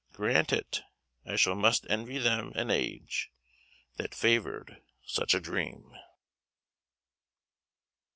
Grant it; I still must envy them an age That favoured such a dream."